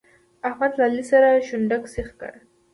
احمد له علي سره شونډک سيخ کړ.